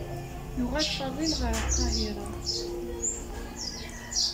Yuɣal Faḍil ɣer Lqahiṛa.